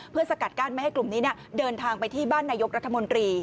เพื่อสกัดกั้นไม่ให้กลุ่มนี้เดินทางไปที่บ้านนายกรัฐมนตรี